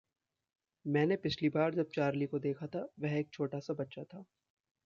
मैंने पिछली बार जब चार्ली को देखा था वह एक छोटा सा बच्चा था।